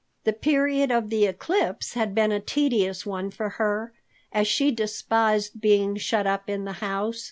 The period of the eclipse had been a tedious one for her, as she despised being shut in the house.